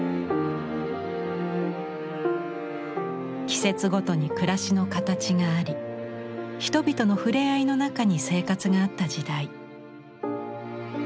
季節ごとに暮らしの形があり人々のふれあいの中に生活があった時代。